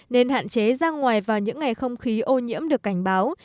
nên hạn chế ra ngoài vào những ngày không khí ô nhiễm được cảnh báo